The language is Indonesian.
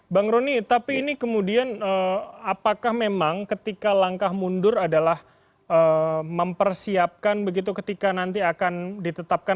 bang rony tapi ini kemudian apakah memang ketika langkah mundur adalah mempersiapkan begitu ketika nanti akan ditetapkan